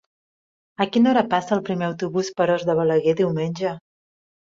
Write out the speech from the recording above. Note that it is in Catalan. A quina hora passa el primer autobús per Os de Balaguer diumenge?